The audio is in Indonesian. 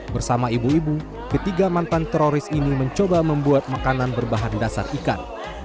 bersama ibu ibu ketiga mantan teroris ini mencoba membuat makanan berbahan dasar ikan